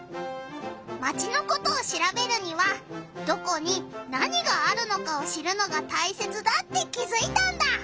マチのことをしらべるにはどこに何があるのかを知るのがたいせつだって気づいたんだ！